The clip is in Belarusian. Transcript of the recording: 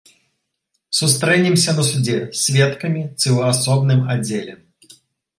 Сустрэнемся на судзе сведкамі ці ў асобным аддзеле.